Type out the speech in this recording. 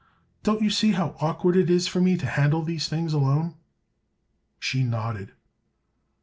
Don't you see how awkward it is for me to handle these things alone?" She nodded.